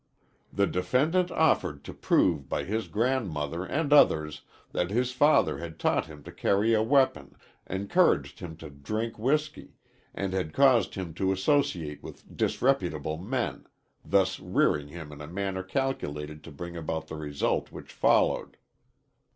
"The defendant offered to prove by his grandmother and others that his father had taught him to carry a weapon, encouraged him to drink whiskey, and had caused him to associate with disreputable men, thus rearing him in a manner calculated to bring about the result which followed."